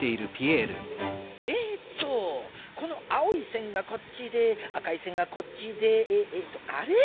えっとこの青いせんがこっちで赤いせんがこっちであれ？